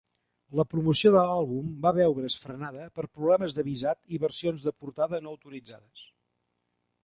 La promoció de l'àlbum va veure's frenada per problemes de visat i versions de portada no autoritzades.